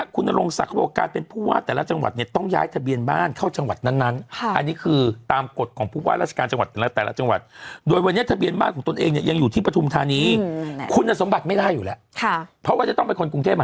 คุณสมบัติจึงเป็นไปไม่ได้